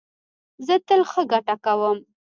زه تل ښه ګټه کوم